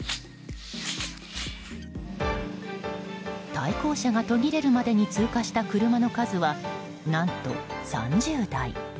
対向車が途切れるまでに通過した車の数は何と３０台。